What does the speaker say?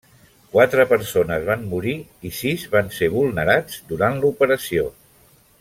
Quatre persones van morir i sis van ser vulnerats durant l'operació.